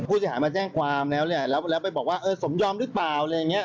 ผู้เสียหายมาแจ้งความแล้วแล้วไปบอกว่าสมยอมหรือเปล่า